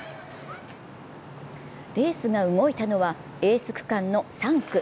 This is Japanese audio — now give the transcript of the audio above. レースが動いたのはエース区間の３区。